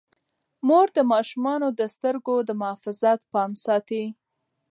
مور د ماشومانو د سترګو د محافظت پام ساتي.